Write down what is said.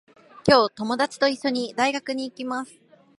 今日、ともだちといっしょに、大学に行きます。